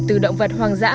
từ động vật hoang dã